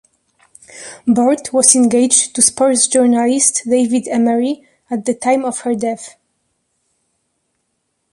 Board was engaged to sports journalist David Emery at the time of her death.